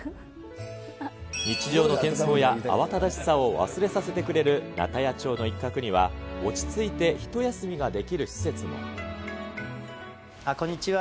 日常のけん騒や慌ただしさを忘れさせてくれる鉈屋町の一角には、落ち着いてひと休みができるこんにちは。